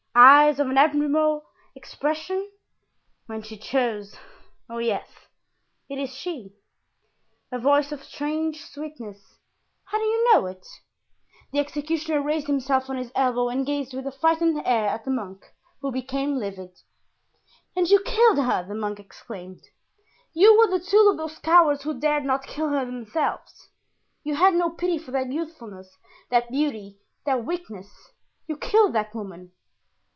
"Eyes of an admirable expression?" "When she chose. Oh, yes, it is she!" "A voice of strange sweetness?" "How do you know it?" The executioner raised himself on his elbow and gazed with a frightened air at the monk, who became livid. "And you killed her?" the monk exclaimed. "You were the tool of those cowards who dared not kill her themselves? You had no pity for that youthfulness, that beauty, that weakness? you killed that woman?"